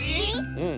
うん。